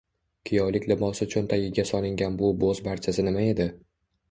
Kuyovlik libosi cho'ntagiga solingan bu bo'z parchasi nima edi?